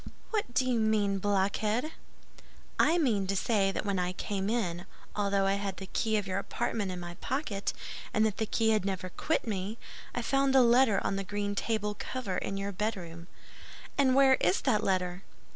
"What do you mean, blockhead?" "I mean to say that when I came in, although I had the key of your apartment in my pocket, and that key had never quit me, I found a letter on the green table cover in your bedroom." "And where is that letter?"